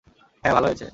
হ্যাঁ, ভালো হয়েছে!